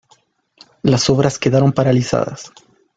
Las obras quedaron paralizadas.